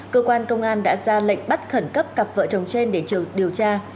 cơ quan công an đã ra lệnh bắt khẩn cấp cặp vợ chồng trên để điều tra